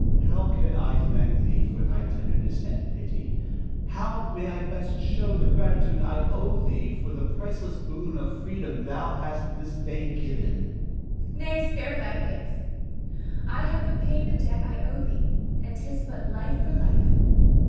Ernest. How can I thank thee for thy tenderness and pity; how may I best show the gratitude I owe thee for the priceless boon of freedom thou hast this day given? Zara. Nay, spare thy thanks! I have but paid the debt I owed thee, and 'tis but life for life.